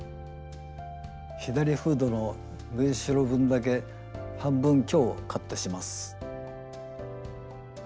左フードの縫いしろ分だけ半分強カットします。